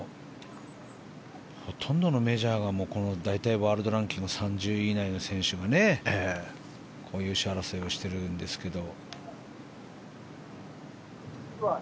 ほとんどのメジャーが大体ワールドランキングで３０位以内の選手が優勝争いをしているんですけど。